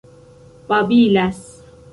babilas